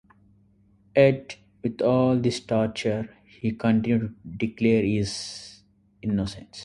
Yet with all this torture he continued to declare his innocence.